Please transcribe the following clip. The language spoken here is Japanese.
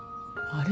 あれ？